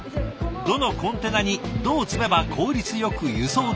どのコンテナにどう積めば効率よく輸送できるか。